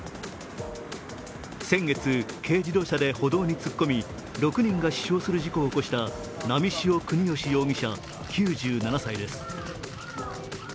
先月、軽自動車で歩道に突っ込み６人が死傷する事故を起こした波汐國芳容疑者９７歳です。